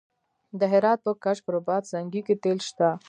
د هرات په کشک رباط سنګي کې تیل شته.